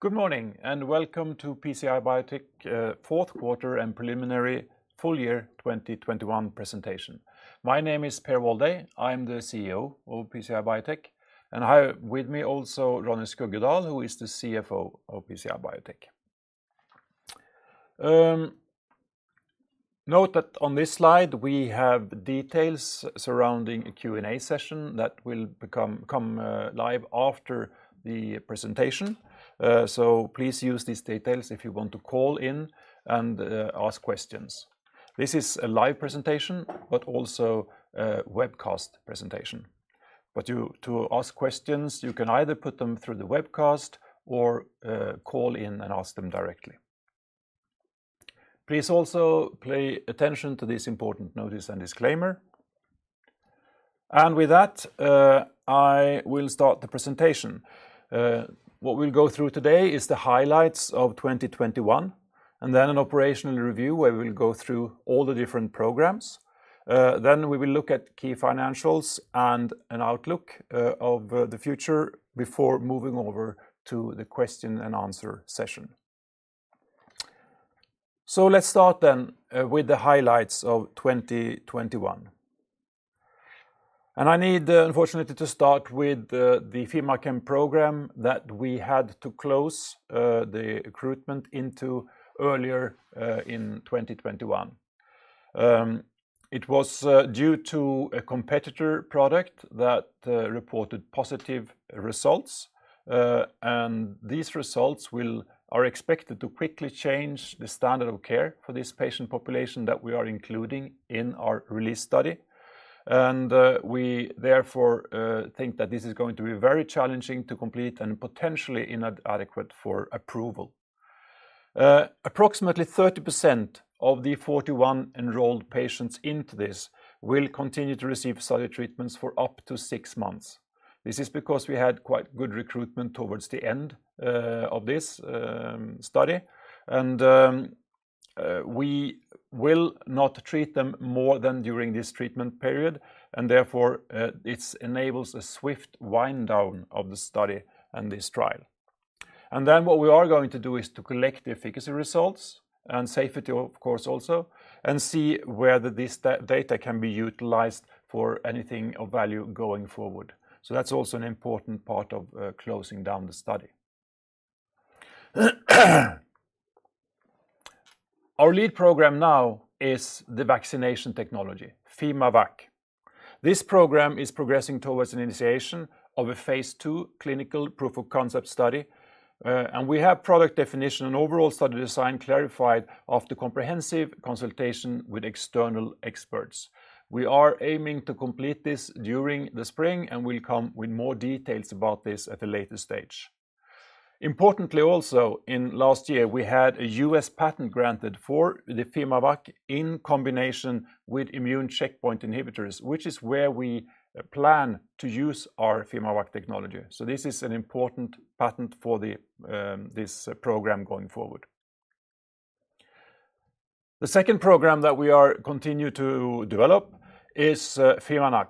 Good morning, and welcome to PCI Biotech Fourth Quarter and Preliminary Full Year 2021 Presentation. My name is Per Walday. I'm the CEO of PCI Biotech, and I have with me also Ronny Skuggedal, who is the CFO of PCI Biotech. Note that on this slide we have details surrounding a Q&A session that will become live after the presentation. So please use these details if you want to call in and ask questions. This is a live presentation but also a webcast presentation. To ask questions, you can either put them through the webcast or call in and ask them directly. Please also pay attention to this important notice and disclaimer. With that, I will start the presentation. What we'll go through today is the highlights of 2021 and then an operational review, where we'll go through all the different programs. We will look at key financials and an outlook of the future before moving over to the question and answer session. Let's start with the highlights of 2021. I need, unfortunately, to start with the fimaChem program that we had to close the recruitment into earlier in 2021. It was due to a competitor product that reported positive results. These results are expected to quickly change the standard of care for this patient population that we are including in our RELEASE study. We therefore think that this is going to be very challenging to complete and potentially inadequate for approval. Approximately 30% of the 41 enrolled patients into this will continue to receive solid treatments for up to six months. This is because we had quite good recruitment towards the end of this study. We will not treat them more than during this treatment period, and therefore, it enables a swift wind down of the study and this trial. What we are going to do is to collect the efficacy results and safety of course also, and see whether this data can be utilized for anything of value going forward. That's also an important part of closing down the study. Our lead program now is the vaccination technology, fimaVacc. This program is progressing towards an initiation of a phase II clinical proof of concept study. We have product definition and overall study design clarified after comprehensive consultation with external experts. We are aiming to complete this during the spring, and we'll come with more details about this at a later stage. Importantly also, in last year, we had a U.S. patent granted for the fimaVacc in combination with immune checkpoint inhibitors, which is where we plan to use our fimaVacc technology. This is an important patent for this program going forward. The second program that we continue to develop is fimaNAc.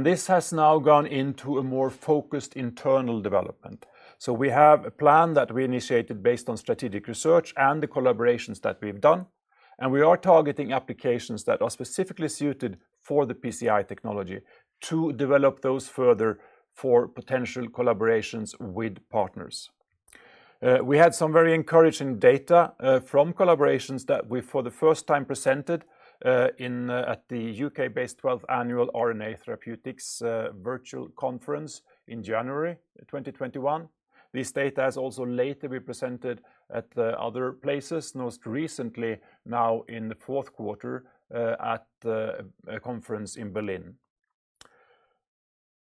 This has now gone into a more focused internal development. We have a plan that we initiated based on strategic research and the collaborations that we've done, and we are targeting applications that are specifically suited for the PCI technology to develop those further for potential collaborations with partners. We had some very encouraging data from collaborations that we, for the first time, presented at the U.K.-based 12th annual RNA Therapeutics virtual conference in January 2021. This data has also later been presented at other places, most recently now in the fourth quarter at a conference in Berlin.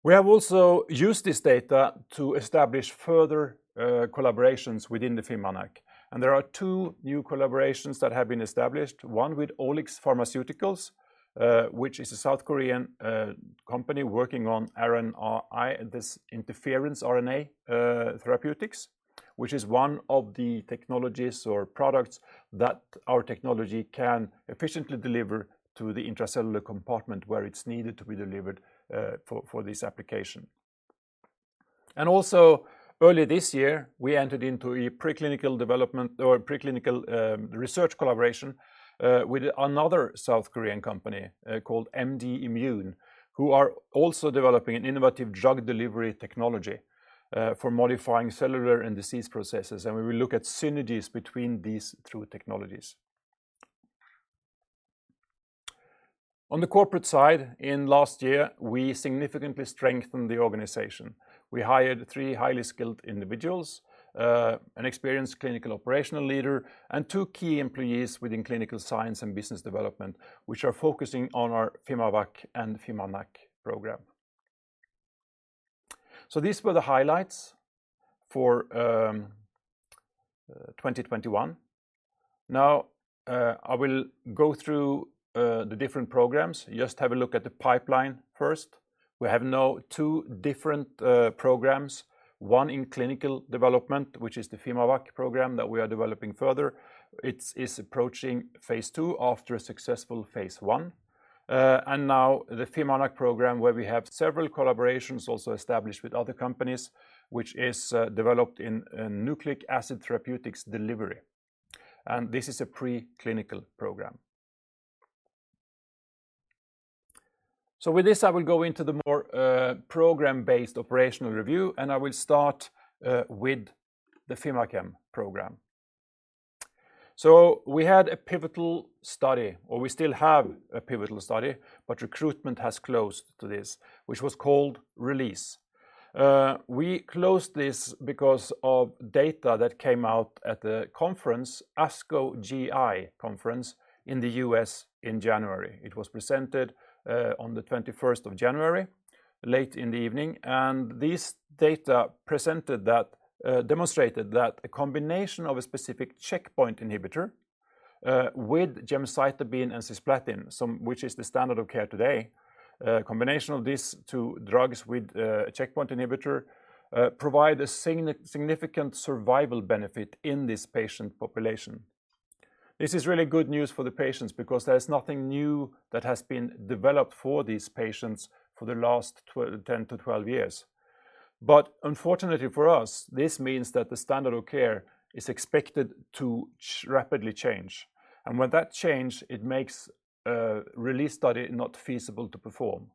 We have also used this data to establish further collaborations within the fimaNAc, and there are two new collaborations that have been established, one with OliX Pharmaceuticals, which is a South Korean company working on RNAi, RNA interference therapeutics, which is one of the technologies or products that our technology can efficiently deliver to the intracellular compartment where it's needed to be delivered for this application. Also early this year, we entered into a preclinical research collaboration with another South Korean company called MDimune, who are also developing an innovative drug delivery technology for modifying cellular and disease processes. We will look at synergies between these two technologies. On the corporate side, in last year, we significantly strengthened the organization. We hired three highly skilled individuals, an experienced clinical operational leader, and two key employees within clinical science and business development, which are focusing on our fimaVacc and fimaNAc program. These were the highlights for 2021. Now, I will go through the different programs. Just have a look at the pipeline first. We have now two different programs, one in clinical development, which is the fimaVacc program that we are developing further. It is approaching phase II after a successful phase I. Now the fimaNAc program where we have several collaborations also established with other companies, which is developed in nucleic acid therapeutics delivery. This is a preclinical program. With this, I will go into the more program-based operational review, and I will start with the fimaChem program. We had a pivotal study, or we still have a pivotal study, but recruitment has closed to this, which was called RELEASE. We closed this because of data that came out at the conference, ASCO GI conference in the U.S. in January. It was presented on the 21st of January, late in the evening. This data presented that demonstrated that a combination of a specific checkpoint inhibitor with gemcitabine and cisplatin, which is the standard of care today, a combination of these two drugs with a checkpoint inhibitor provide a significant survival benefit in this patient population. This is really good news for the patients because there is nothing new that has been developed for these patients for the last 10-12 years. Unfortunately for us, this means that the standard of care is expected to rapidly change. With that change, it makes a RELEASE study not feasible to perform.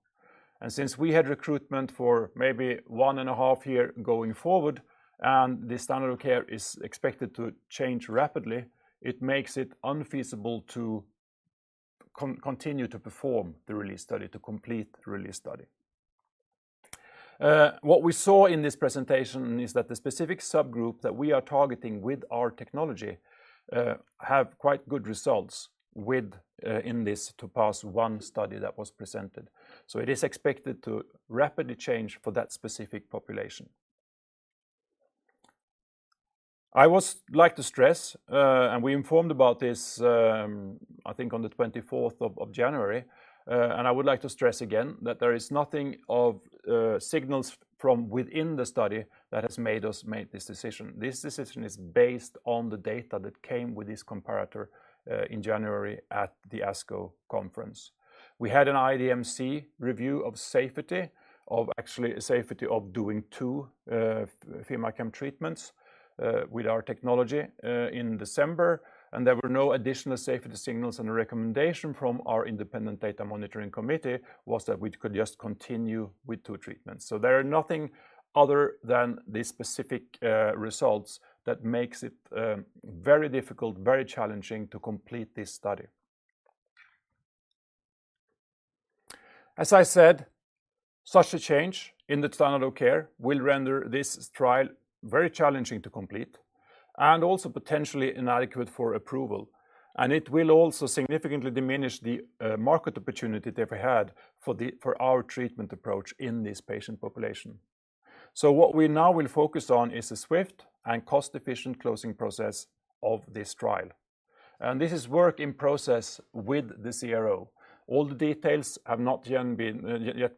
Since we had recruitment for maybe one and a half years going forward, and the standard of care is expected to change rapidly, it makes it unfeasible to continue to perform the RELEASE study, to complete the RELEASE study. What we saw in this presentation is that the specific subgroup that we are targeting with our technology have quite good results in this TOPAZ-1 study that was presented. It is expected to rapidly change for that specific population. I would like to stress, and we informed about this, I think on the 24th of January, and I would like to stress again that there is nothing of signals from within the study that has made us make this decision. This decision is based on the data that came with this comparator in January at the ASCO conference. We had an IDMC review of safety, of actually safety of doing two fimaChem treatments with our technology in December. There were no additional safety signals and a recommendation from our independent data monitoring committee was that we could just continue with two treatments. There are nothing other than the specific results that makes it very difficult, very challenging to complete this study. As I said, such a change in the standard of care will render this trial very challenging to complete and also potentially inadequate for approval. It will also significantly diminish the market opportunity that we had for our treatment approach in this patient population. What we now will focus on is a swift and cost-efficient closing process of this trial. This is work in process with the CRO. All the details have not yet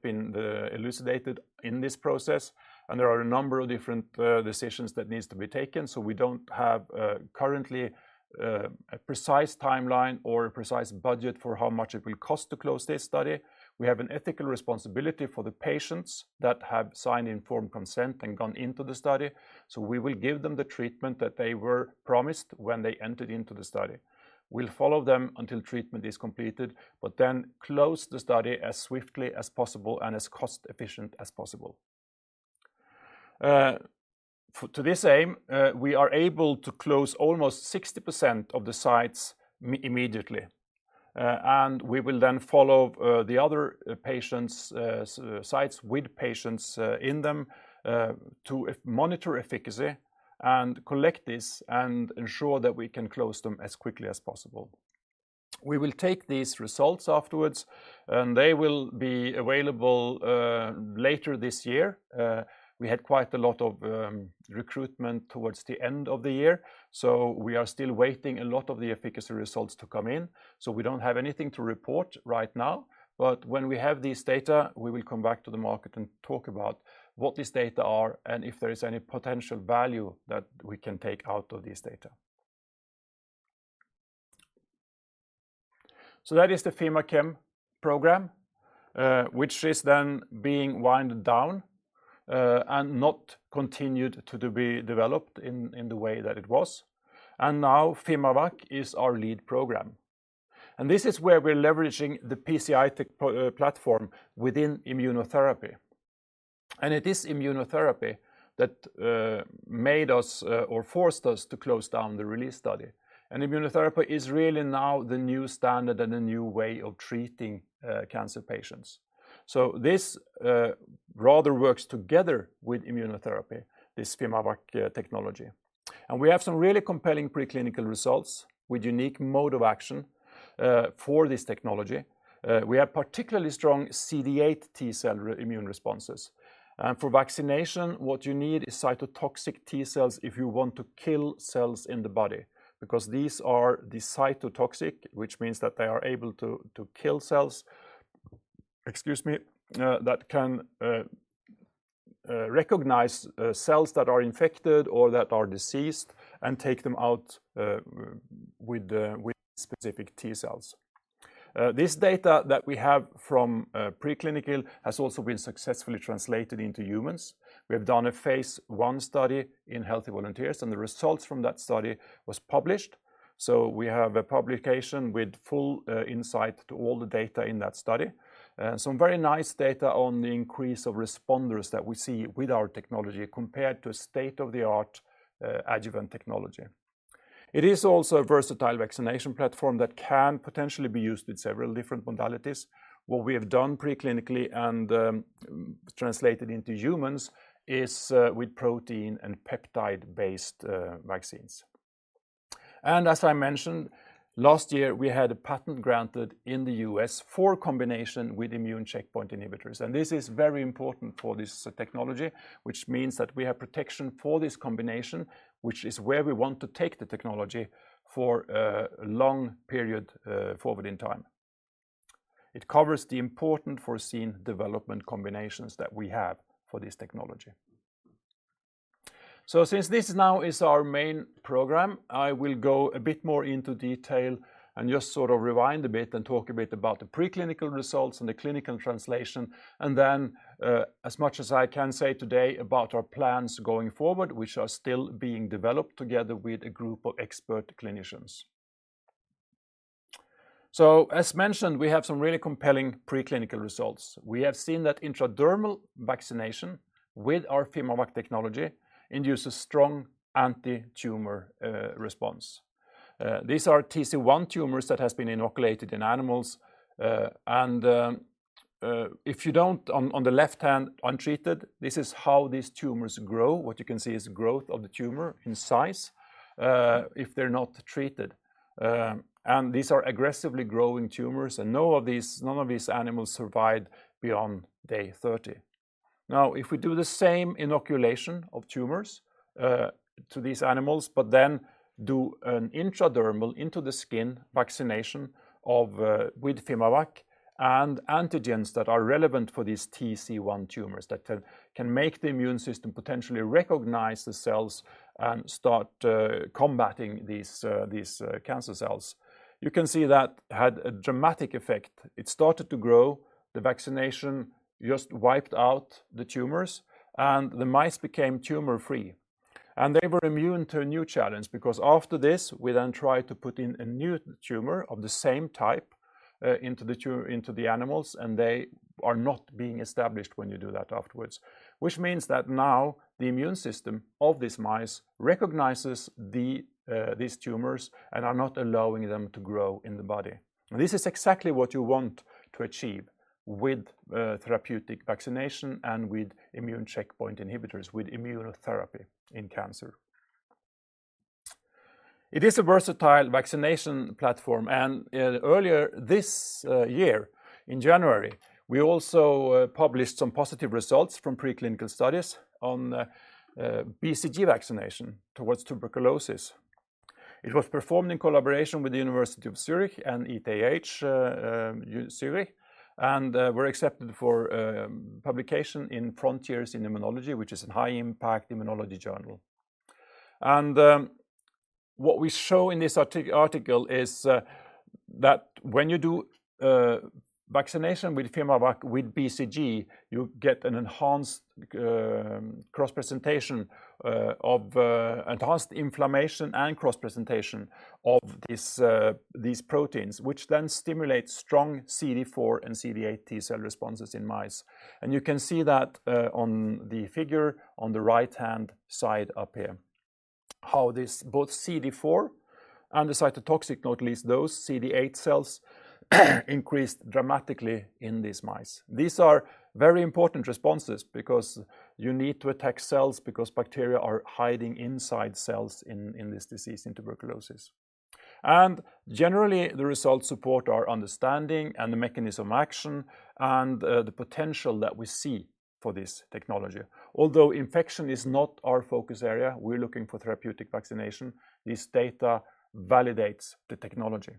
been elucidated in this process. There are a number of different decisions that needs to be taken. We don't have currently a precise timeline or a precise budget for how much it will cost to close this study. We have an ethical responsibility for the patients that have signed informed consent and gone into the study. We will give them the treatment that they were promised when they entered into the study. We'll follow them until treatment is completed, but then close the study as swiftly as possible and as cost-efficient as possible. To this aim, we are able to close almost 60% of the sites immediately. We will then follow the other patients, sites with patients in them to monitor efficacy and collect this and ensure that we can close them as quickly as possible. We will take these results afterwards and they will be available later this year. We had quite a lot of recruitment towards the end of the year. We are still waiting a lot of the efficacy results to come in. We don't have anything to report right now. When we have these data, we will come back to the market and talk about what these data are and if there is any potential value that we can take out of these data. That is the fimaChem program, which is then being wound down and not continued to be developed in the way that it was. Now fimaVacc is our lead program. This is where we're leveraging the PCI platform within immunotherapy. It is immunotherapy that made us or forced us to close down the RELEASE study. Immunotherapy is really now the new standard and a new way of treating cancer patients. This rather works together with immunotherapy, this fimaVacc technology. We have some really compelling preclinical results with unique mode of action for this technology. We have particularly strong CD8+ T cell immune responses. For vaccination, what you need is cytotoxic T cells if you want to kill cells in the body, because these are the cytotoxic, which means that they are able to kill cells that can recognize cells that are infected or that are diseased and take them out with specific T cells. This data that we have from preclinical has also been successfully translated into humans. We have done a phase I study in healthy volunteers, and the results from that study was published. We have a publication with full insight to all the data in that study. Some very nice data on the increase of responders that we see with our technology compared to state-of-the-art adjuvant technology. It is also a versatile vaccination platform that can potentially be used in several different modalities. What we have done preclinically and translated into humans is with protein and peptide-based vaccines. As I mentioned, last year, we had a patent granted in the U.S. for combination with immune checkpoint inhibitors. This is very important for this technology, which means that we have protection for this combination, which is where we want to take the technology for a long period forward in time. It covers the important foreseen development combinations that we have for this technology. Since this now is our main program, I will go a bit more into detail and just sort of rewind a bit and talk a bit about the preclinical results and the clinical translation, and then as much as I can say today about our plans going forward, which are still being developed together with a group of expert clinicians. As mentioned, we have some really compelling preclinical results. We have seen that intradermal vaccination with our fimaVacc technology induces strong anti-tumor response. These are TC-1 tumors that has been inoculated in animals. On the left hand untreated, this is how these tumors grow. What you can see is growth of the tumor in size if they're not treated. These are aggressively growing tumors, and none of these animals survived beyond day 30. If we do the same inoculation of tumors to these animals, but then do an intradermal into the skin vaccination with fimaVacc and antigens that are relevant for these TC-1 tumors that can make the immune system potentially recognize the cells and start combating these cancer cells. You can see that had a dramatic effect. It started to grow. The vaccination just wiped out the tumors, and the mice became tumor-free. They were immune to a new challenge because after this, we then tried to put in a new tumor of the same type into the animals, and they are not being established when you do that afterwards. Which means that now the immune system of these mice recognizes these tumors and are not allowing them to grow in the body. This is exactly what you want to achieve with therapeutic vaccination and with immune checkpoint inhibitors, with immunotherapy in cancer. It is a versatile vaccination platform, and earlier this year in January, we also published some positive results from preclinical studies on BCG vaccination towards tuberculosis. It was performed in collaboration with the University of Zurich and ETH Zurich and accepted for publication in Frontiers in Immunology, which is a high impact immunology journal. What we show in this article is that when you do vaccination with fimaVacc with BCG, you get an enhanced cross presentation of enhanced inflammation and cross presentation of these proteins, which then stimulates strong CD4 and CD8+ T cell responses in mice. You can see that on the figure on the right-hand side up here, how both CD4 and the cytotoxic, not least those CD8 cells, increased dramatically in these mice. These are very important responses because you need to attack cells because bacteria are hiding inside cells in this disease in tuberculosis. Generally, the results support our understanding and the mechanism of action and the potential that we see for this technology. Although infection is not our focus area, we're looking for therapeutic vaccination. This data validates the technology.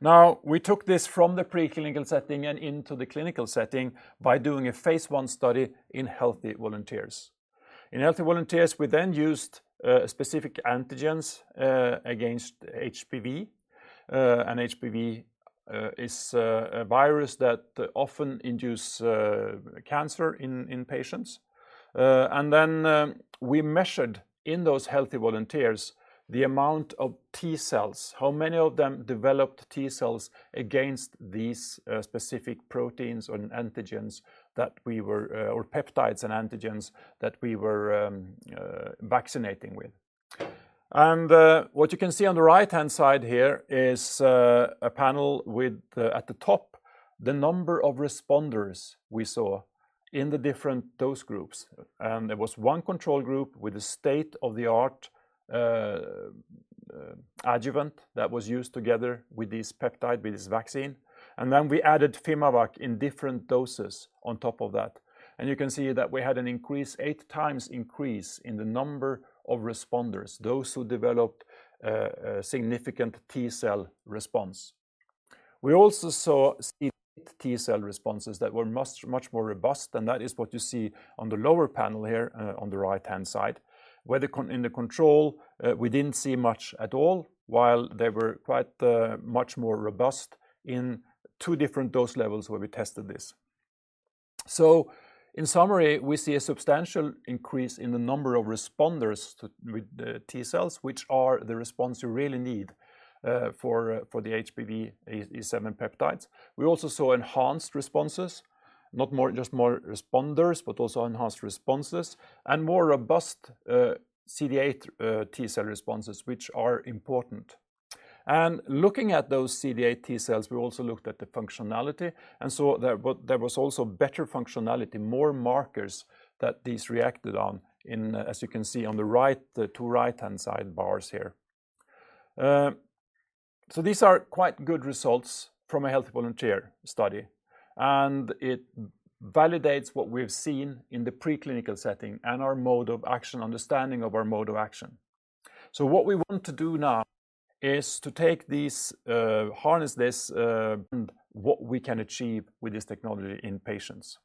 Now, we took this from the preclinical setting and into the clinical setting by doing a phase I study in healthy volunteers. In healthy volunteers, we then used specific antigens against HPV. HPV is a virus that often induce cancer in patients. We measured in those healthy volunteers the amount of T cells, how many of them developed T cells against these specific proteins or peptides and antigens that we were vaccinating with. What you can see on the right-hand side here is a panel with the, at the top, the number of responders we saw in the different dose groups. There was one control group with the state-of-the-art adjuvant that was used together with this peptide, with this vaccine. Then we added fimaVacc in different doses on top of that. You can see that we had an increase, eight times increase in the number of responders, those who developed a significant T cell response. We also saw CD8+ T cell responses that were much more robust and that is what you see on the lower panel here on the right-hand side. In the control, we didn't see much at all while they were quite much more robust in two different dose levels where we tested this. In summary, we see a substantial increase in the number of responders with T cells, which are the response you really need for the HPV E7 peptides. We also saw enhanced responses, not just more responders, but also enhanced responses, and more robust CD8+ T cell responses, which are important. Looking at those CD8 T cells, we also looked at the functionality. There was also better functionality, more markers that these reacted on in, as you can see on the right, the two right-hand side bars here. These are quite good results from a healthy volunteer study, and it validates what we've seen in the preclinical setting and our mode of action, understanding of our mode of action. What we want to do now is to take these, harness this and what we can achieve with this technology in patients.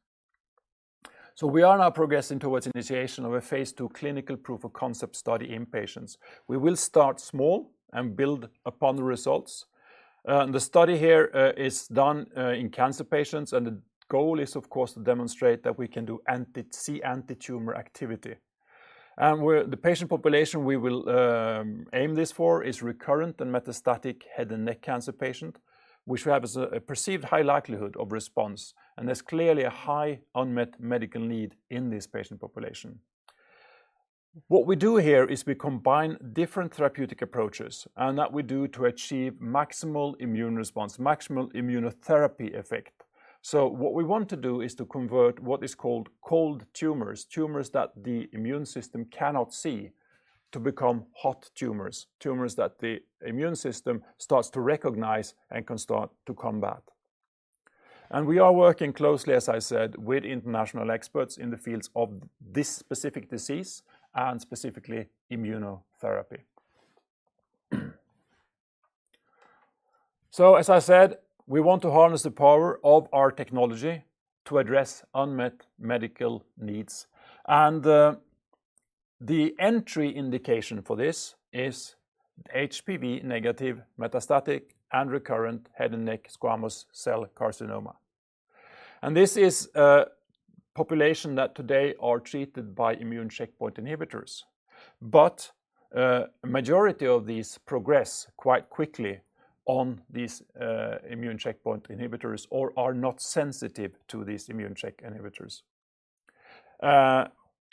We are now progressing towards initiation of a phase II clinical proof of concept study in patients. We will start small and build upon the results. The study here is done in cancer patients, and the goal is, of course, to demonstrate that we can do antitumor activity. The patient population we will aim this for is recurrent and metastatic head and neck cancer patient, which have a perceived high likelihood of response. There's clearly a high unmet medical need in this patient population. What we do here is we combine different therapeutic approaches, and that we do to achieve maximal immune response, maximal immunotherapy effect. What we want to do is to convert what is called cold tumors that the immune system cannot see, to become hot tumors that the immune system starts to recognize and can start to combat. We are working closely, as I said, with international experts in the fields of this specific disease and specifically immunotherapy. As I said, we want to harness the power of our technology to address unmet medical needs. The entry indication for this is HPV negative metastatic and recurrent head and neck squamous cell carcinoma. This is a population that today are treated by immune checkpoint inhibitors. A majority of these progress quite quickly on these immune checkpoint inhibitors or are not sensitive to these immune checkpoint inhibitors.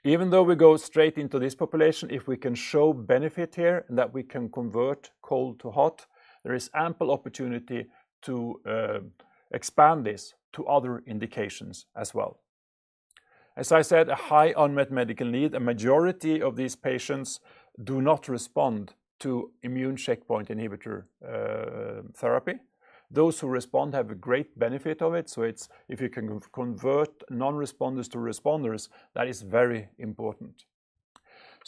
Even though we go straight into this population, if we can show benefit here that we can convert cold to hot, there is ample opportunity to expand this to other indications as well. As I said, a high unmet medical need. A majority of these patients do not respond to immune checkpoint inhibitor therapy. Those who respond have a great benefit of it. If you can convert non-responders to responders, that is very important.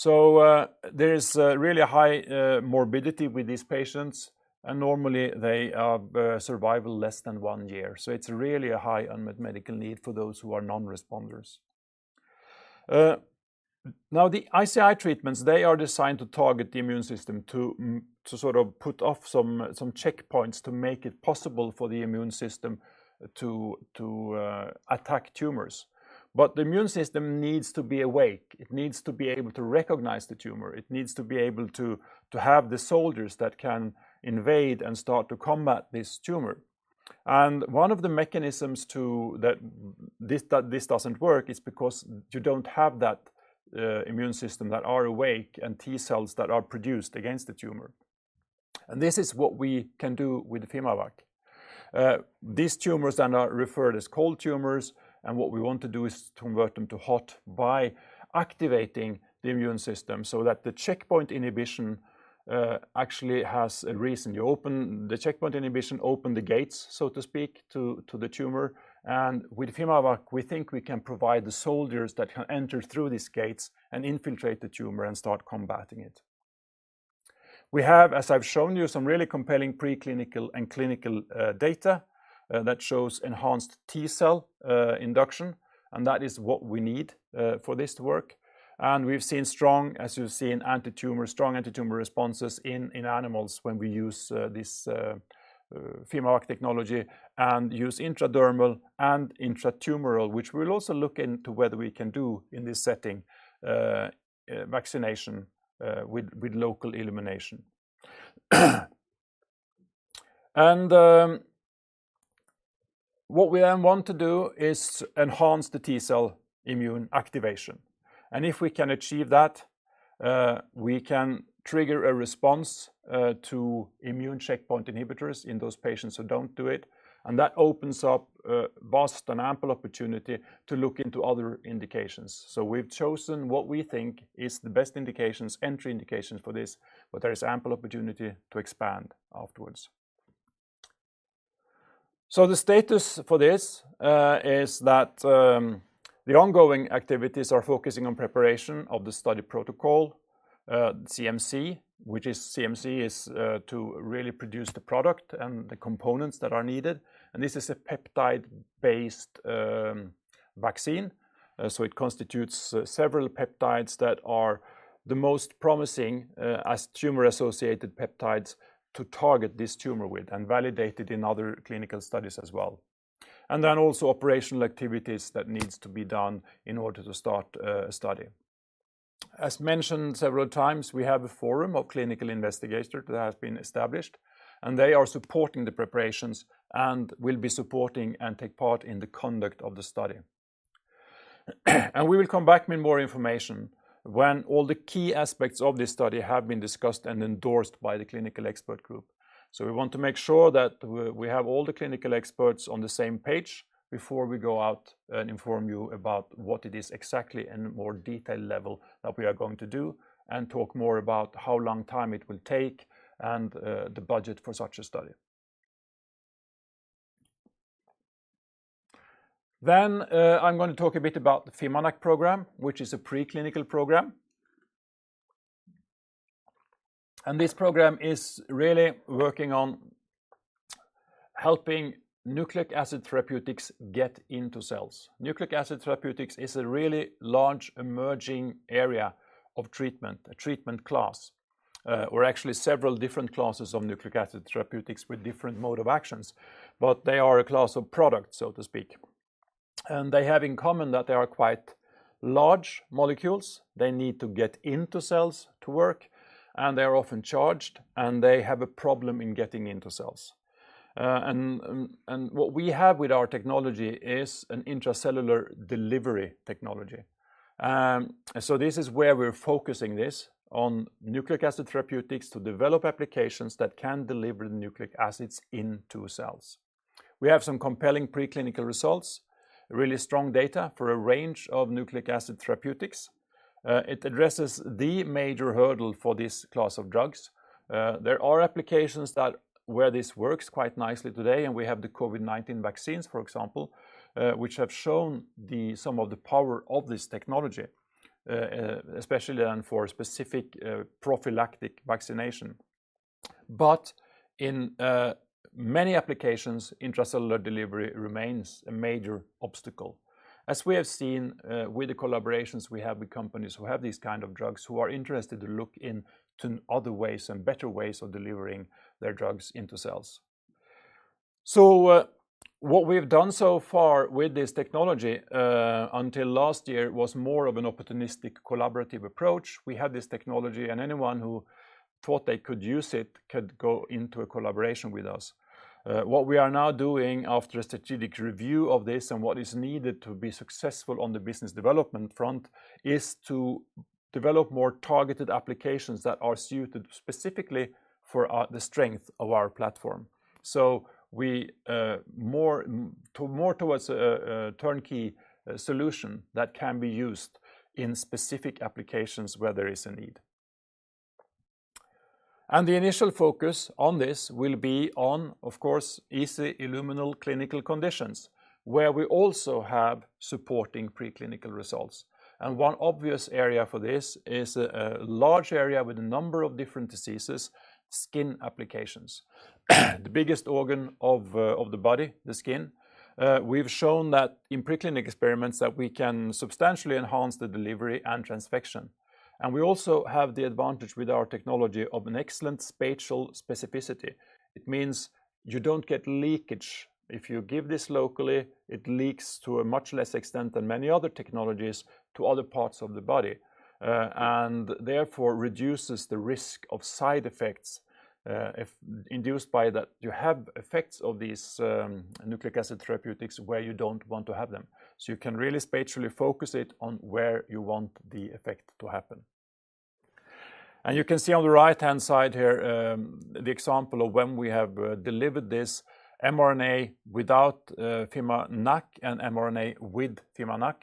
There is really high morbidity with these patients, and normally they survive less than one year. It's really a high unmet medical need for those who are non-responders. Now, the ICI treatments, they are designed to target the immune system to sort of put off some checkpoints to make it possible for the immune system to attack tumors. The immune system needs to be awake. It needs to be able to recognize the tumor. It needs to be able to have the soldiers that can invade and start to combat this tumor. One of the mechanisms that this doesn't work is because you don't have that immune system that are awake and T cells that are produced against the tumor. This is what we can do with the fimaVacc. These tumors are now referred as cold tumors, and what we want to do is convert them to hot by activating the immune system so that the checkpoint inhibition actually has a reason. The checkpoint inhibition open the gates, so to speak, to the tumor. With fimaVacc, we think we can provide the soldiers that can enter through these gates and infiltrate the tumor and start combating it. We have, as I've shown you, some really compelling preclinical and clinical data that shows enhanced T cell induction, and that is what we need for this to work. We've seen strong, as you've seen, antitumor responses in animals when we use this fimaVacc technology and use intradermal and intratumoral, which we'll also look into whether we can do in this setting, vaccination with local illumination. What we then want to do is enhance the T cell immune activation. If we can achieve that, we can trigger a response to immune checkpoint inhibitors in those patients who don't do it. That opens up vast and ample opportunity to look into other indications. We've chosen what we think is the best indications, entry indications for this, but there is ample opportunity to expand afterwards. The status for this is that the ongoing activities are focusing on preparation of the study protocol, CMC, which is to really produce the product and the components that are needed. This is a peptide-based vaccine. It constitutes several peptides that are the most promising as tumor-associated peptides to target this tumor with and validated in other clinical studies as well. Operational activities that needs to be done in order to start a study. As mentioned several times, we have a forum of clinical investigators that has been established, and they are supporting the preparations and will be supporting and take part in the conduct of the study. We will come back with more information when all the key aspects of this study have been discussed and endorsed by the clinical expert group. We want to make sure that we have all the clinical experts on the same page before we go out and inform you about what it is exactly in more detail level that we are going to do and talk more about how long time it will take and the budget for such a study. I'm gonna talk a bit about the fimaNAc program, which is a preclinical program. This program is really working on helping nucleic acid therapeutics get into cells. Nucleic acid therapeutics is a really large emerging area of treatment, a treatment class, or actually several different classes of nucleic acid therapeutics with different mode of actions. They are a class of products, so to speak. They have in common that they are quite large molecules. They need to get into cells to work, and they're often charged, and they have a problem in getting into cells. What we have with our technology is an intracellular delivery technology. This is where we're focusing this, on nucleic acid therapeutics to develop applications that can deliver the nucleic acids into cells. We have some compelling preclinical results, really strong data for a range of nucleic acid therapeutics. It addresses the major hurdle for this class of drugs. There are applications where this works quite nicely today, and we have the COVID-19 vaccines, for example, which have shown us some of the power of this technology, especially for specific prophylactic vaccination. In many applications, intracellular delivery remains a major obstacle, as we have seen, with the collaborations we have with companies who have these kind of drugs who are interested to look into other ways and better ways of delivering their drugs into cells. What we've done so far with this technology until last year was more of an opportunistic collaborative approach. We had this technology, and anyone who thought they could use it could go into a collaboration with us. What we are now doing after a strategic review of this and what is needed to be successful on the business development front is to develop more targeted applications that are suited specifically for the strength of our platform. We move more towards a turnkey solution that can be used in specific applications where there is a need. The initial focus on this will be on, of course, easily illuminable clinical conditions where we also have supporting preclinical results. One obvious area for this is a large area with a number of different diseases, skin applications. The biggest organ of the body, the skin, we've shown that in preclinical experiments that we can substantially enhance the delivery and transfection. We also have the advantage with our technology of an excellent spatial specificity. It means you don't get leakage. If you give this locally, it leaks to a much less extent than many other technologies to other parts of the body, and therefore reduces the risk of side effects, if induced by that you have effects of these nucleic acid therapeutics where you don't want to have them. You can really spatially focus it on where you want the effect to happen. You can see on the right-hand side here, the example of when we have delivered this mRNA without fimaNAc and mRNA with fimaNAc.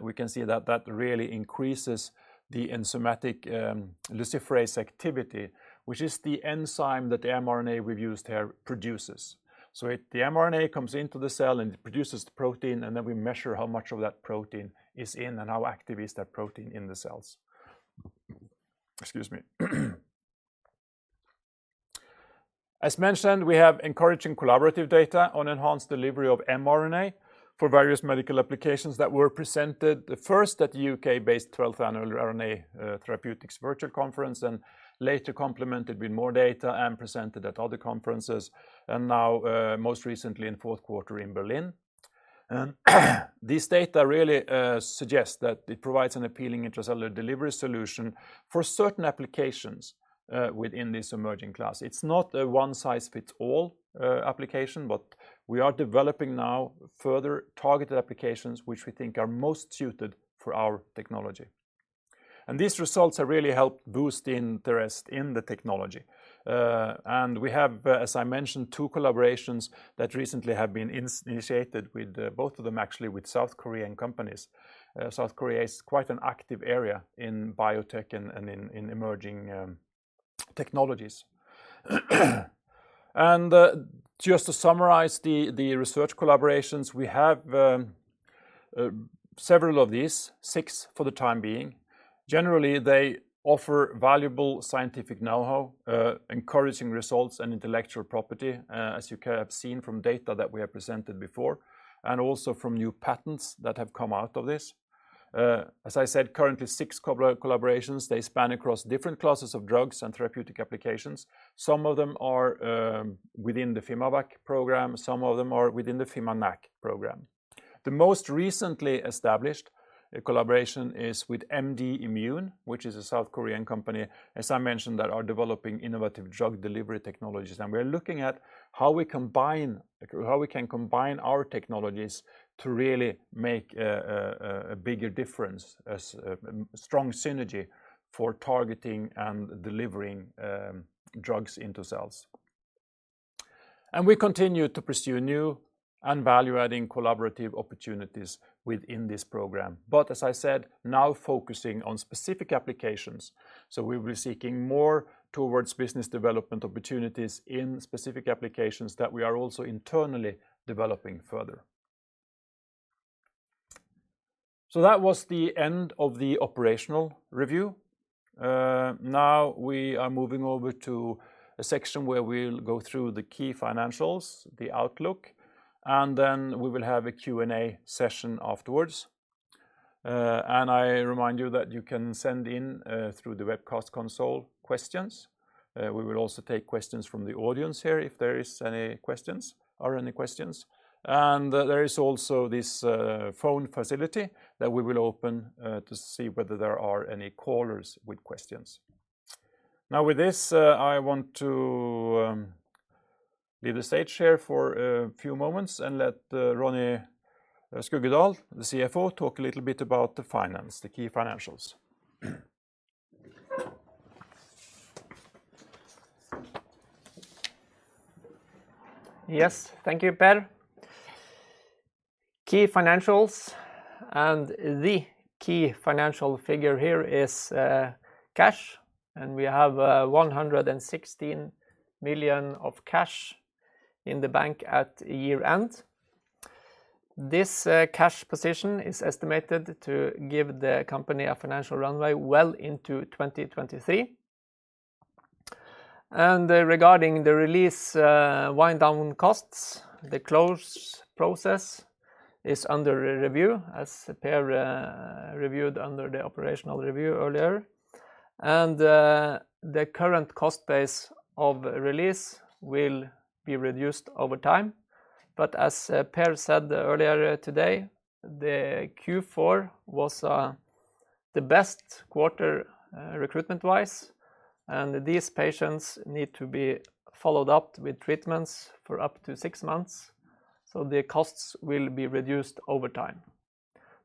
We can see that that really increases the enzymatic luciferase activity, which is the enzyme that the mRNA we've used here produces. The mRNA comes into the cell, and it produces the protein, and then we measure how much of that protein is in and how active is that protein in the cells. Excuse me. As mentioned, we have encouraging collaborative data on enhanced delivery of mRNA for various medical applications that were presented first at the U.K.-based 12th Annual RNA Therapeutics Virtual Conference and later complemented with more data and presented at other conferences and now, most recently in fourth quarter in Berlin. This data really suggests that it provides an appealing intracellular delivery solution for certain applications within this emerging class. It's not a one-size-fits-all application, but we are developing now further targeted applications which we think are most suited for our technology. These results have really helped boost interest in the technology. We have, as I mentioned, two collaborations that recently have been initiated with both of them actually with South Korean companies. South Korea is quite an active area in biotech and in emerging technologies. Just to summarize the research collaborations, we have several of these, six for the time being. Generally, they offer valuable scientific know-how, encouraging results and intellectual property, as you have seen from data that we have presented before, and also from new patents that have come out of this. As I said, currently six collaborations. They span across different classes of drugs and therapeutic applications. Some of them are within the fimaVacc program, some of them are within the fimaNAc program. The most recently established collaboration is with MDimune, which is a South Korean company, as I mentioned, that are developing innovative drug delivery technologies. We're looking at how we can combine our technologies to really make a bigger difference as strong synergy for targeting and delivering drugs into cells. We continue to pursue new and value-adding collaborative opportunities within this program. As I said, now focusing on specific applications, we'll be seeking more towards business development opportunities in specific applications that we are also internally developing further. That was the end of the operational review. Now we are moving over to a section where we'll go through the key financials, the outlook, and then we will have a Q&A session afterwards. I remind you that you can send in through the webcast console, questions. We will also take questions from the audience here if there is any questions. There is also this phone facility that we will open to see whether there are any callers with questions. Now, with this, I want to leave the stage here for a few moments and let Ronny Skuggedal, the CFO, talk a little bit about the finance, the key financials. Yes. Thank you, Per. Key financials, and the key financial figure here is cash, and we have 116 million of cash in the bank at year-end. This cash position is estimated to give the company a financial runway well into 2023. Regarding the RELEASE wind down costs, the close process is under review, as Per reviewed under the operational review earlier. The current cost base of RELEASE will be reduced over time. As Per said earlier today, the Q4 was the best quarter recruitment-wise, and these patients need to be followed up with treatments for up to six months, so the costs will be reduced over time.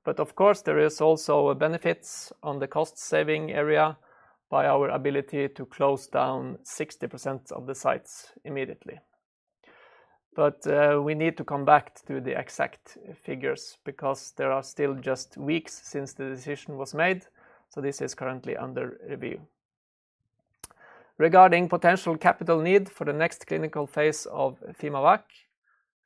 Of course, there is also benefits on the cost saving area by our ability to close down 60% of the sites immediately. We need to come back to the exact figures because there are still just weeks since the decision was made, so this is currently under review. Regarding potential capital need for the next clinical phase of fimaVacc,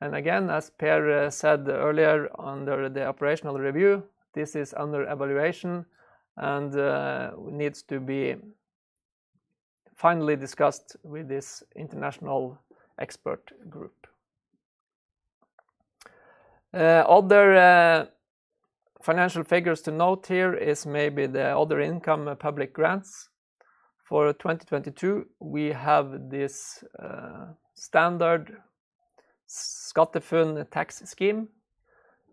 and again, as Per said earlier under the operational review, this is under evaluation and needs to be finally discussed with this international expert group. Other financial figures to note here is maybe the other income public grants. For 2022, we have this standard SkatteFUNN tax scheme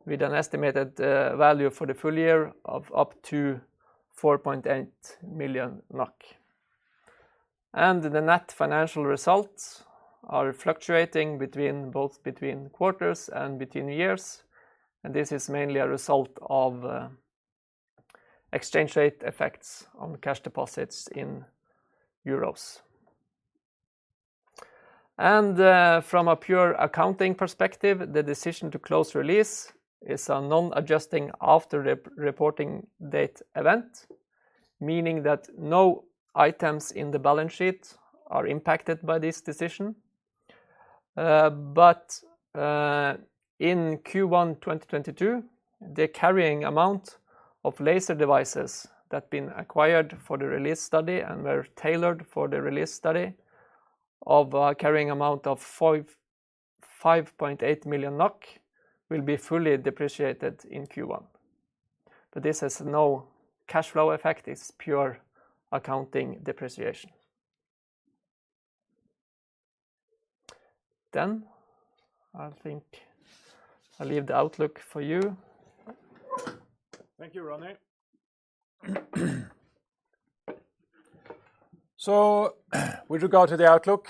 with an estimated value for the full year of up to 4.8 million NOK. The net financial results are fluctuating both between quarters and between years, and this is mainly a result of exchange rate effects on cash deposits in euros. From a pure accounting perspective, the decision to close RELEASE is a non-adjusting after-reporting date event, meaning that no items in the balance sheet are impacted by this decision. In Q1 2022, the carrying amount of laser devices that's been acquired for the RELEASE study and were tailored for the RELEASE study of carrying amount of 5.8 million NOK will be fully depreciated in Q1. This has no cash flow effect. It's pure accounting depreciation. I think I leave the outlook for you. Thank you, Ronny. With regard to the outlook,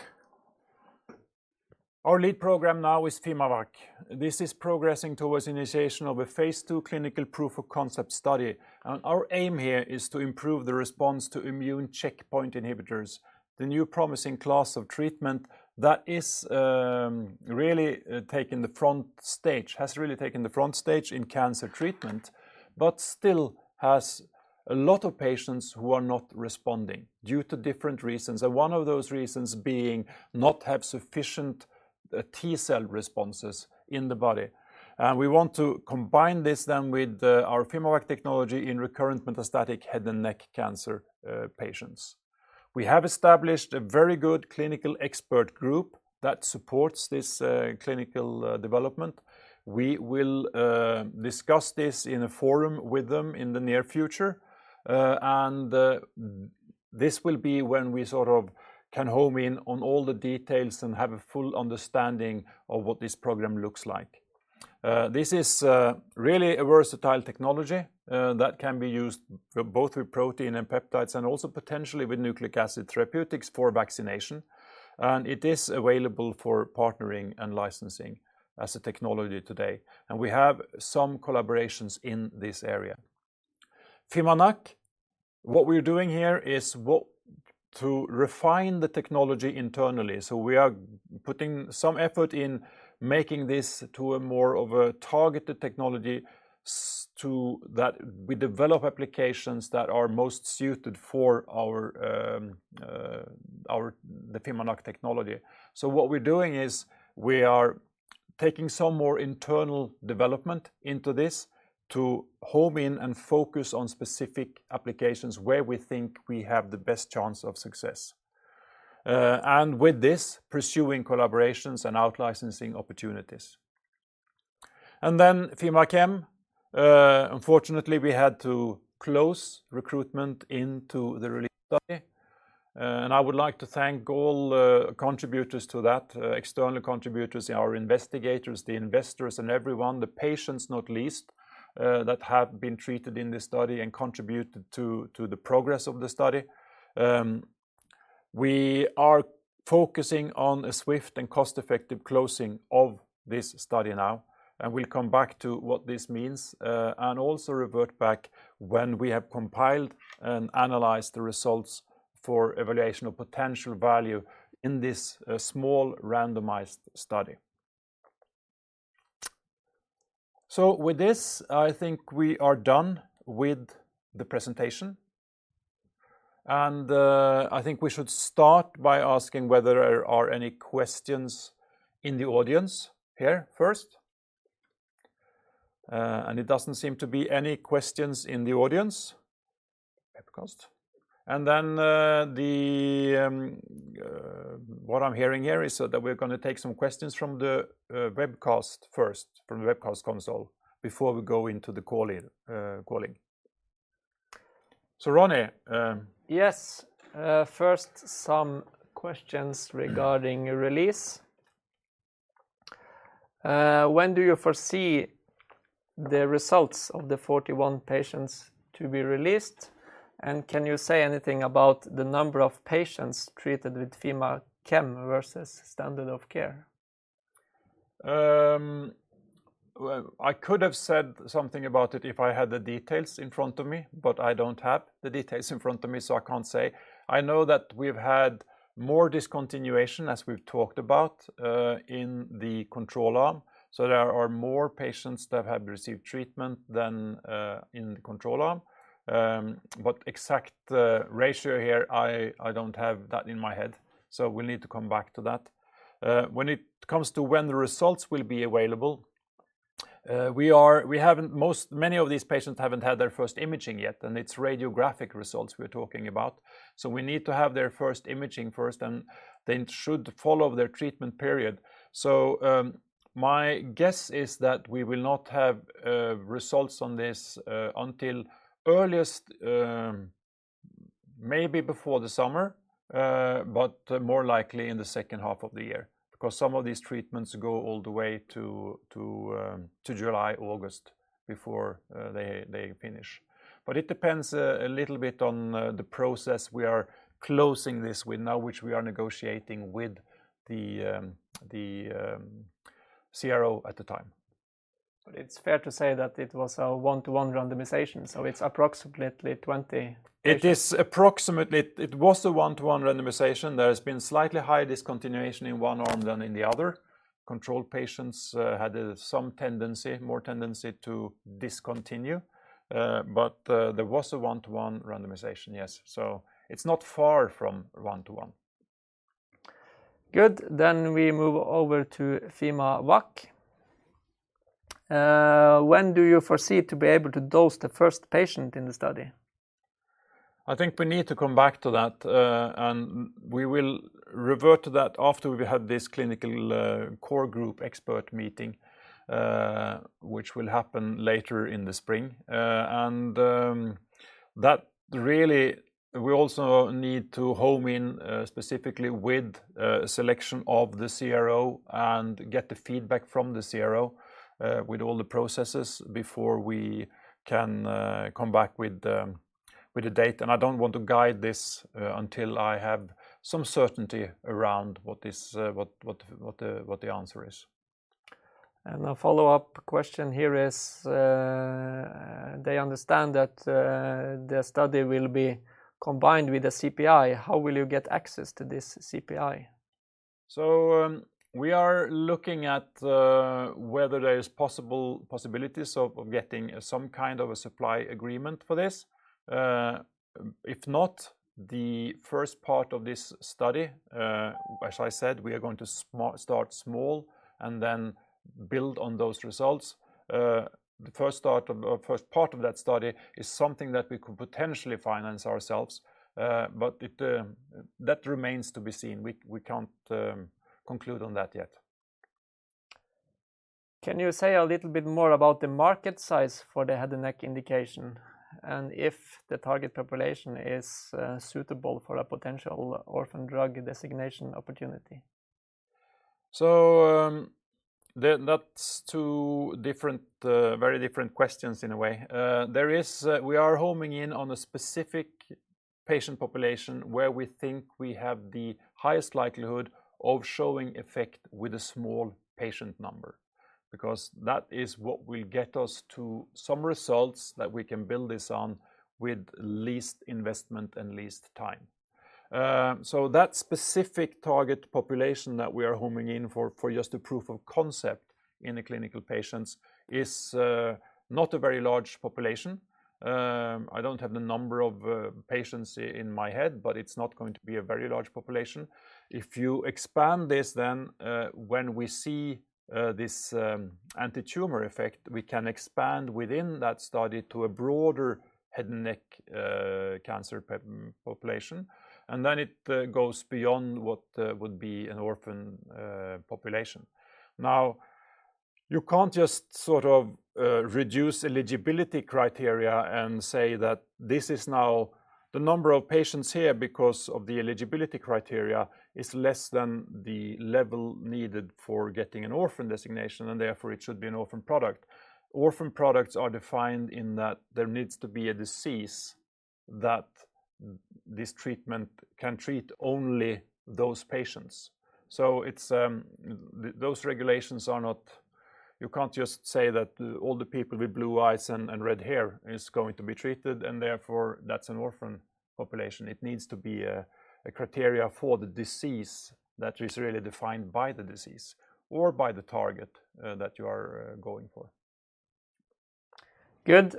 our lead program now is fimaVacc. This is progressing towards initiation of a phase II clinical proof-of-concept study. Our aim here is to improve the response to immune checkpoint inhibitors, the new promising class of treatment that is really taking the front stage in cancer treatment, but still has a lot of patients who are not responding due to different reasons, and one of those reasons being not have sufficient T-cell responses in the body. We want to combine this then with our fimaVacc technology in recurrent metastatic head and neck cancer patients. We have established a very good clinical expert group that supports this clinical development. We will discuss this in a forum with them in the near future. This will be when we sort of can home in on all the details and have a full understanding of what this program looks like. This is really a versatile technology that can be used both with protein and peptides and also potentially with nucleic acid therapeutics for vaccination. It is available for partnering and licensing as a technology today, and we have some collaborations in this area. fimaNAc, what we're doing here is to refine the technology internally. We are putting some effort in making this more of a targeted technology so that we develop applications that are most suited for our fimaNAc technology. What we're doing is we are taking some more internal development into this to home in and focus on specific applications where we think we have the best chance of success, and with this, pursuing collaborations and out-licensing opportunities. fimaChem, unfortunately we had to close recruitment into the RELEASE study. I would like to thank all contributors to that, external contributors, our investigators, the investors and everyone, the patients not least, that have been treated in this study and contributed to the progress of the study. We are focusing on a swift and cost-effective closing of this study now, and we'll come back to what this means, and also revert back when we have compiled and analyzed the results for evaluation of potential value in this small randomized study. With this, I think we are done with the presentation. I think we should start by asking whether there are any questions in the audience here first. It doesn't seem to be any questions in the audience. Webcast. What I'm hearing here is that we're gonna take some questions from the webcast first, from the webcast console before we go into the call-in Ronny, Yes. First some questions regarding RELEASE. When do you foresee the results of the 41 patients to be released? And can you say anything about the number of patients treated with fimaChem versus standard of care? Well, I could have said something about it if I had the details in front of me, but I don't have the details in front of me, so I can't say. I know that we've had more discontinuation, as we've talked about, in the control arm. There are more patients that have received treatment than in the control arm. Exact ratio here, I don't have that in my head, so we'll need to come back to that. When it comes to when the results will be available, many of these patients haven't had their first imaging yet, and it's radiographic results we're talking about. We need to have their first imaging first, and they should follow their treatment period. My guess is that we will not have results on this until the earliest maybe before the summer, but more likely in the second half of the year. Because some of these treatments go all the way to July, August before they finish. It depends a little bit on the process we are closing this with now, which we are negotiating with the CRO at the time. It's fair to say that it was a 1:1 randomization, so it's approximately 20%. It was a one-to-one randomization. There has been slightly high discontinuation in one arm than in the other. Control patients had some tendency, more tendency to discontinue. There was a one-to-one randomization, yes. It's not far from one to one. Good. We move over to fimaVacc. When do you foresee to be able to dose the first patient in the study? I think we need to come back to that, and we will revert to that after we have this clinical core group expert meeting, which will happen later in the spring. We also need to home in specifically with selection of the CRO and get the feedback from the CRO with all the processes before we can come back with a date. I don't want to guide this until I have some certainty around what the answer is. A follow-up question here is, they understand that, the study will be combined with the CPI. How will you get access to this CPI? We are looking at whether there are possibilities of getting some kind of a supply agreement for this. If not, the first part of this study, as I said, we are going to start small and then build on those results. The first part of that study is something that we could potentially finance ourselves, but that remains to be seen. We can't conclude on that yet. Can you say a little bit more about the market size for the head and neck indication, and if the target population is suitable for a potential orphan drug designation opportunity? That's two different very different questions in a way. We are homing in on a specific patient population where we think we have the highest likelihood of showing effect with a small patient number because that is what will get us to some results that we can build this on with least investment and least time. That specific target population that we are homing in for just a proof of concept in the clinical patients is not a very large population. I don't have the number of patients in my head, but it's not going to be a very large population. If you expand this then when we see this anti-tumor effect, we can expand within that study to a broader head and neck cancer population. It goes beyond what would be an orphan population. Now, you can't just sort of reduce eligibility criteria and say that this is now the number of patients here because of the eligibility criteria is less than the level needed for getting an orphan designation, and therefore it should be an orphan product. Orphan products are defined in that there needs to be a disease that this treatment can treat only those patients. Those regulations are not. You can't just say that all the people with blue eyes and red hair is going to be treated, and therefore that's an orphan population. It needs to be a criteria for the disease that is really defined by the disease or by the target that you are going for. Good.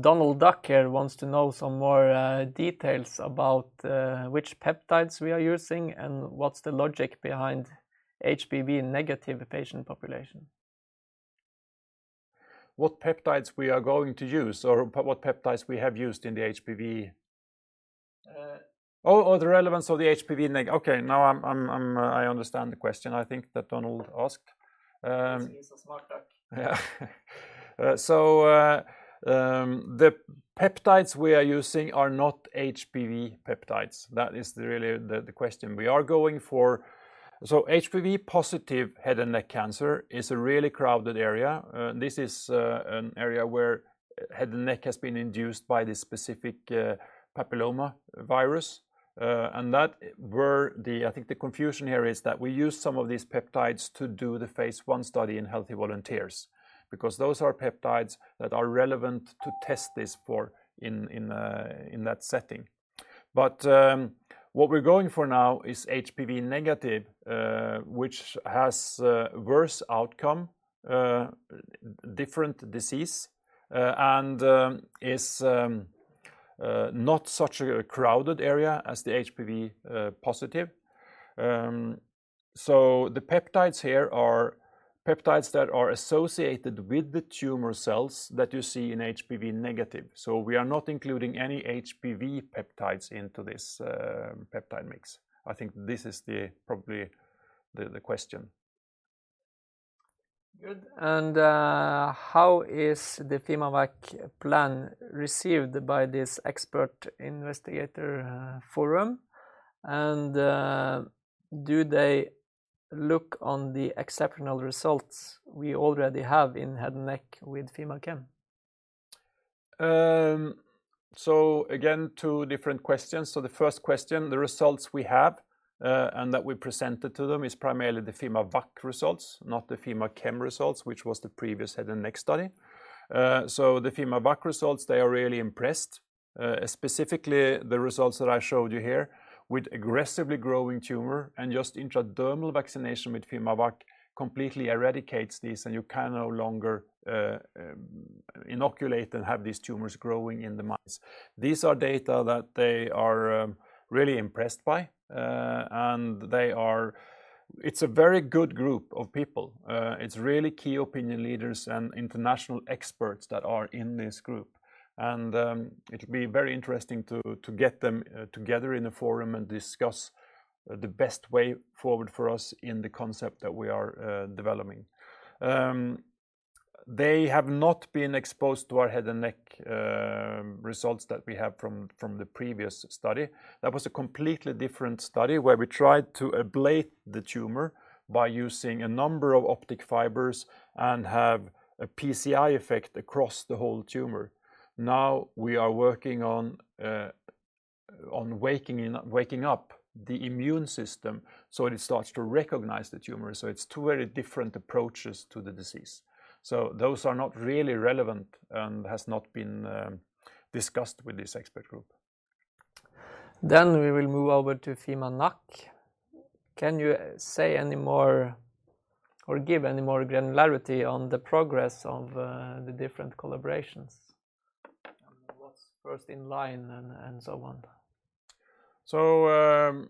Donald Duck here wants to know some more details about which peptides we are using and what's the logic behind HPV negative patient population. What peptides we are going to use or what peptides we have used in the HPV Okay. Now I understand the question I think that Donald Duck asked. 'Cause he's a smart duck. The peptides we are using are not HPV peptides. That is the question. HPV positive head and neck cancer is a really crowded area. This is an area where head and neck has been induced by this specific papillomavirus. I think the confusion here is that we use some of these peptides to do the phase I study in healthy volunteers because those are peptides that are relevant to test this for in that setting. What we're going for now is HPV negative, which has worse outcome, different disease, and is not such a crowded area as the HPV positive. The peptides here are peptides that are associated with the tumor cells that you see in HPV-negative. We are not including any HPV peptides into this peptide mix. I think this is probably the question. Good. How is the fimaVacc plan received by this expert investigator forum? Do they look on the exceptional results we already have in head and neck with fimaChem? Again, two different questions. The first question, the results we have and that we presented to them is primarily the fimaVacc results, not the fimaChem results, which was the previous head and neck study. The fimaVacc results, they are really impressed. Specifically the results that I showed you here with aggressively growing tumor and just intradermal vaccination with fimaVacc completely eradicates this, and you can no longer inoculate and have these tumors growing in the mice. These are data that they are really impressed by. They are a very good group of people. It's really key opinion leaders and international experts that are in this group. It'll be very interesting to get them together in a forum and discuss the best way forward for us in the concept that we are developing. They have not been exposed to our head and neck results that we have from the previous study. That was a completely different study where we tried to ablate the tumor by using a number of optic fibers and have a PCI effect across the whole tumor. Now we are working on waking up the immune system, so it starts to recognize the tumor. It's two very different approaches to the disease. Those are not really relevant and has not been discussed with this expert group. We will move over to fimaNAc. Can you say any more or give any more granularity on the progress of the different collaborations? What's first in line and so on.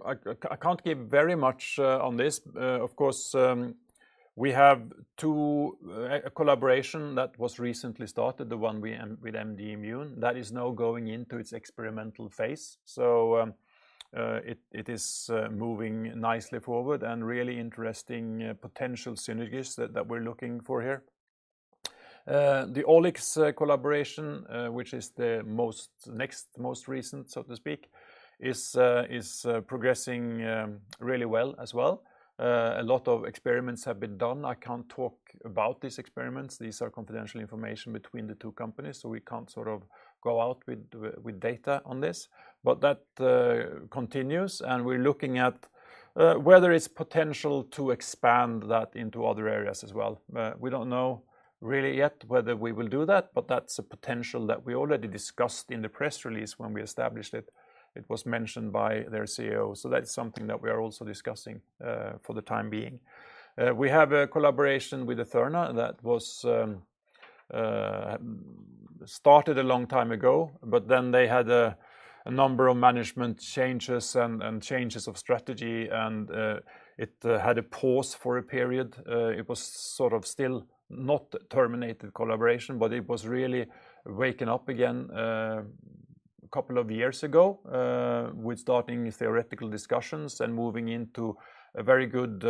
I can't give very much on this. Of course, we have two collaboration that was recently started, the one we with MDimune that is now going into its experimental phase. It is moving nicely forward and really interesting potential synergies that we're looking for here. The OliX collaboration, which is the next most recent, so to speak, is progressing really well as well. A lot of experiments have been done. I can't talk about these experiments. These are confidential information between the two companies, so we can't sort of go out with data on this. That continues, and we're looking at whether it's potential to expand that into other areas as well. We don't know really yet whether we will do that, but that's a potential that we already discussed in the press release when we established it. It was mentioned by their CEO, so that's something that we are also discussing for the time being. We have a collaboration with eTheRNA that was started a long time ago, but then they had a number of management changes and changes of strategy and it had a pause for a period. It was sort of still not terminated collaboration, but it was really waking up again a couple of years ago with starting theoretical discussions and moving into a very good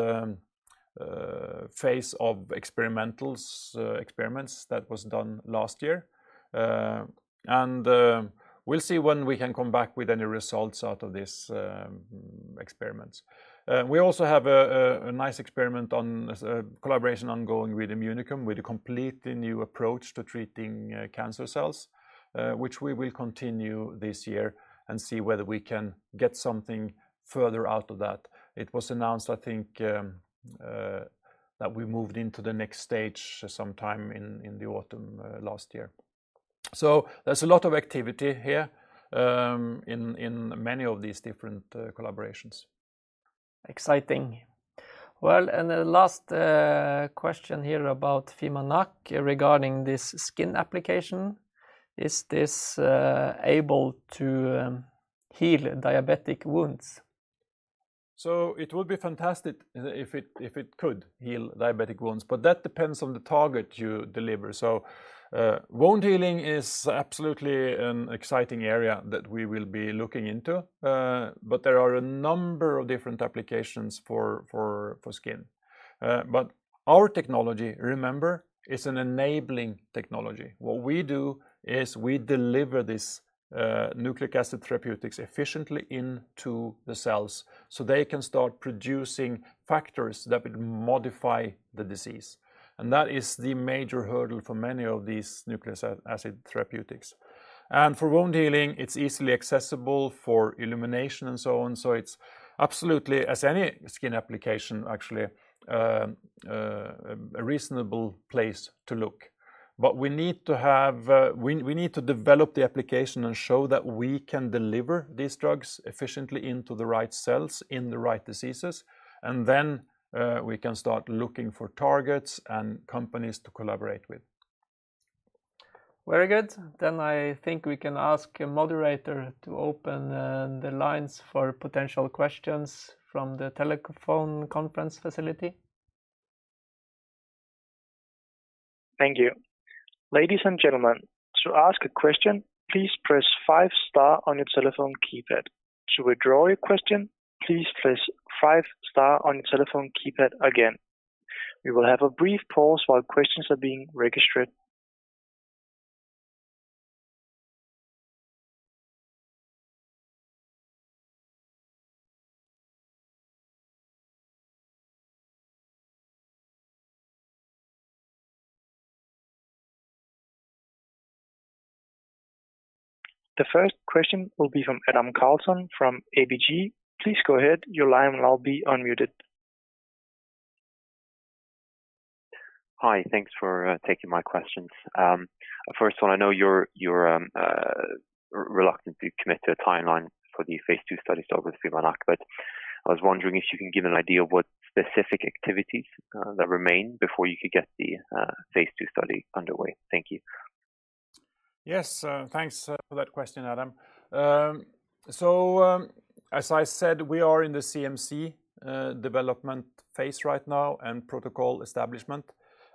phase of experiments that was done last year. We'll see when we can come back with any results out of these experiments. We also have a nice experiment on a collaboration ongoing with Immunicum with a completely new approach to treating cancer cells, which we will continue this year and see whether we can get something further out of that. It was announced, I think, that we moved into the next stage sometime in the autumn last year. There's a lot of activity here in many of these different collaborations. Exciting. Well, the last question here about fimaNAc regarding this skin application. Is this able to heal diabetic wounds? It would be fantastic if it could heal diabetic wounds, but that depends on the target you deliver. Wound healing is absolutely an exciting area that we will be looking into. But there are a number of different applications for skin. But our technology, remember, is an enabling technology. What we do is we deliver this nucleic acid therapeutics efficiently into the cells, so they can start producing factors that would modify the disease. That is the major hurdle for many of these nucleic acid therapeutics. For wound healing, it's easily accessible for illumination and so on. It's absolutely, as any skin application actually, a reasonable place to look. We need to develop the application and show that we can deliver these drugs efficiently into the right cells in the right diseases, and then we can start looking for targets and companies to collaborate with. Very good. I think we can ask a moderator to open the lines for potential questions from the telephone conference facility. Thank you. Ladies and gentlemen, to ask a question, please press five star on your telephone keypad. To withdraw your question, please press five star on your telephone keypad again. We will have a brief pause while questions are being registered. The first question will be from Adam Karlsson from ABG. Please go ahead. Your line will now be unmuted. Hi. Thanks for taking my questions. First one, I know you're reluctant to commit to a timeline for the phase II study start with fimaNAc, but I was wondering if you can give an idea of what specific activities that remain before you could get the phase II study underway. Thank you. Yes. Thanks for that question, Adam. As I said, we are in the CMC development phase right now and protocol establishment.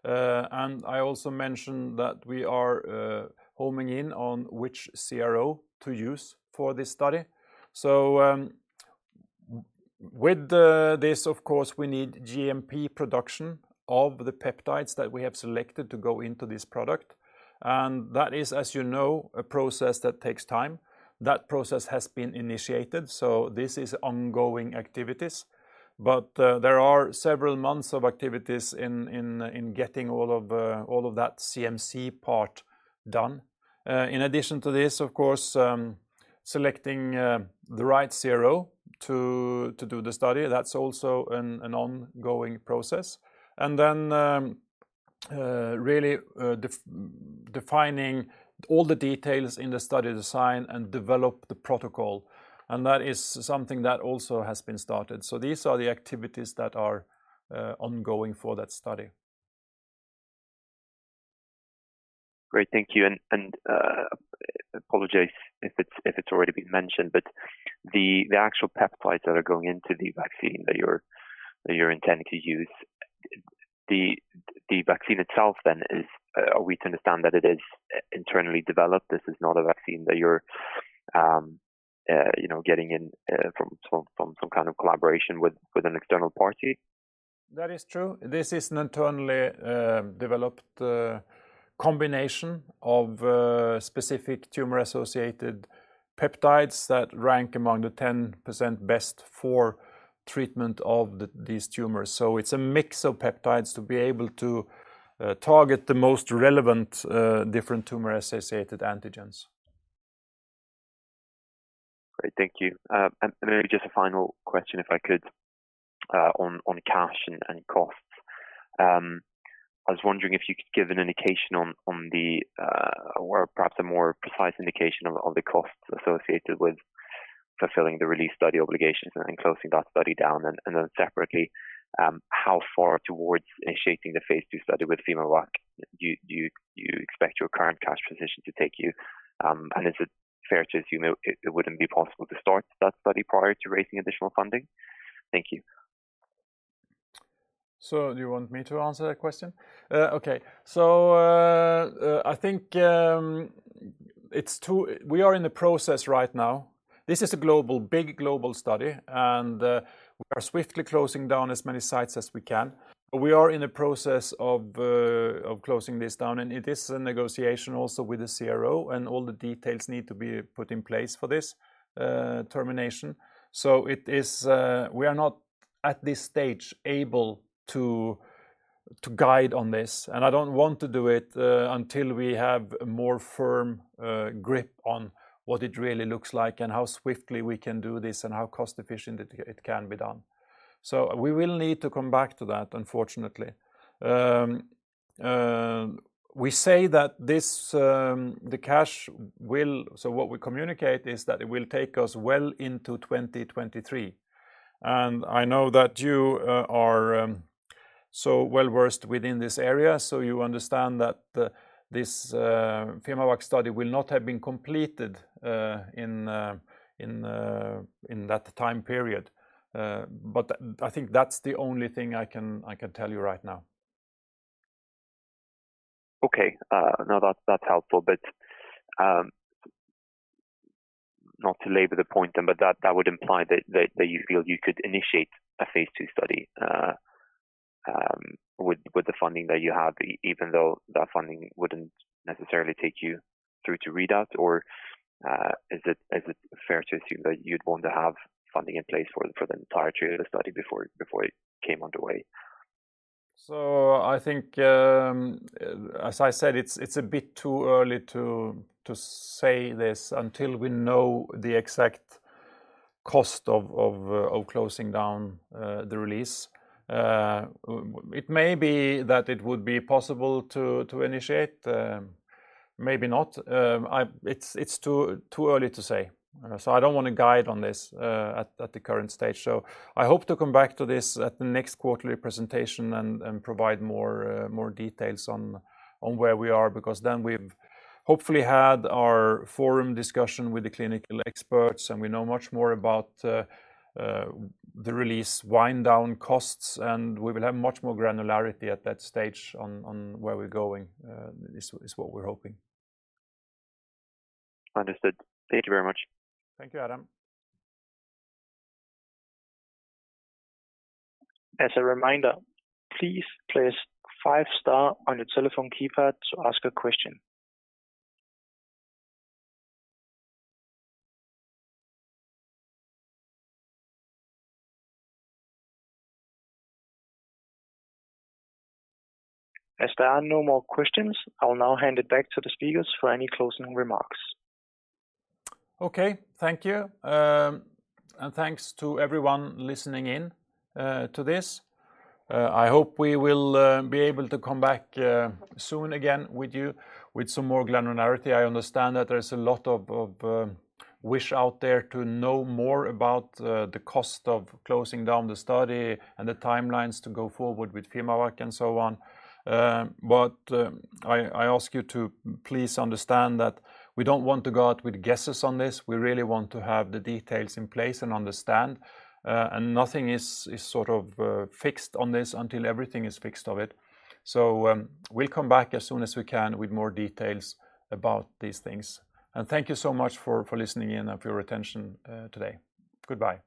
I also mentioned that we are homing in on which CRO to use for this study. With this, of course, we need GMP production of the peptides that we have selected to go into this product. That is, as you know, a process that takes time. That process has been initiated, so this is ongoing activities. There are several months of activities in getting all of that CMC part done. In addition to this, of course, selecting the right CRO to do the study, that's also an ongoing process. Really, defining all the details in the study design and develop the protocol. That is something that also has been started. These are the activities that are ongoing for that study. Great. Thank you. Apologize if it's already been mentioned, but the actual peptides that are going into the vaccine that you're intending to use, the vaccine itself then is, are we to understand that it is internally developed? This is not a vaccine that you're, you know, getting it from some kind of collaboration with an external party? That is true. This is an internally developed combination of specific tumor-associated peptides that rank among the 10% best for treatment of these tumors. It's a mix of peptides to be able to target the most relevant different tumor-associated antigens. Great. Thank you. Maybe just a final question, if I could, on cash and costs. I was wondering if you could give an indication or perhaps a more precise indication of the costs associated with fulfilling the RELEASE study obligations and then closing that study down. Separately, how far towards initiating the phase II study with fimaVacc do you expect your current cash position to take you? Is it fair to assume it wouldn't be possible to start that study prior to raising additional funding? Thank you. Do you want me to answer that question? Okay. I think we are in the process right now. This is a global, big global study, and we are swiftly closing down as many sites as we can. We are in the process of closing this down, and it is a negotiation also with the CRO, and all the details need to be put in place for this termination. We are not at this stage able to guide on this, and I don't want to do it until we have a more firm grip on what it really looks like and how swiftly we can do this and how cost-efficient it can be done. We will need to come back to that, unfortunately. What we communicate is that it will take us well into 2023. I know that you are so well-versed within this area, so you understand that this fimaVacc study will not have been completed in that time period. I think that's the only thing I can tell you right now. Okay. No, that's helpful. Not to labor the point then, but that would imply that you feel you could initiate a phase II study with the funding that you have, even though that funding wouldn't necessarily take you through to readout? Or is it fair to assume that you'd want to have funding in place for the entirety of the study before it came underway? I think, as I said, it's a bit too early to say this until we know the exact cost of closing down the RELEASE. It may be that it would be possible to initiate, maybe not. It's too early to say. I don't want to guide on this at the current stage. I hope to come back to this at the next quarterly presentation and provide more details on where we are, because then we've hopefully had our forum discussion with the clinical experts, and we know much more about the RELEASE wind down costs, and we will have much more granularity at that stage on where we're going, is what we're hoping. Understood. Thank you very much. Thank you, Adam. As a reminder, please press five star on your telephone keypad to ask a question. As there are no more questions, I will now hand it back to the speakers for any closing remarks. Okay. Thank you. Thanks to everyone listening in, to this. I hope we will be able to come back soon again with you with some more granularity. I understand that there's a lot of wish out there to know more about the cost of closing down the study and the timelines to go forward with fimaVacc and so on. But I ask you to please understand that we don't want to go out with guesses on this. We really want to have the details in place and understand, and nothing is sort of fixed on this until everything is fixed of it. We'll come back as soon as we can with more details about these things. Thank you so much for listening in and for your attention today. Goodbye.